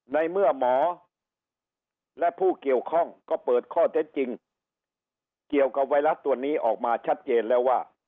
ในเมื่อหมอและผู้เกี่ยวข้องก็เปิดข้อเท็จจริงเกี่ยวกับไวรัสตัวนี้ออกมาชัดเจนแล้วว่า